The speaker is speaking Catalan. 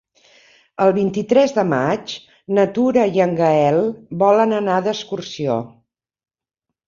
El vint-i-tres de maig na Tura i en Gaël volen anar d'excursió.